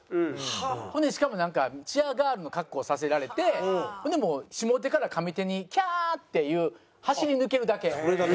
ほんでしかもなんかチアガールの格好させられてほんで下手から上手に「キャーッ！」っていう走り抜けるだけ。